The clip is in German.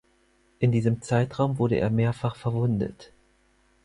In diesem Zeitraum wurde er mehrfach verwundet.